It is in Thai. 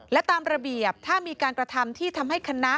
และตามระเบียบถ้ามีการกระทำที่ทำให้คณะ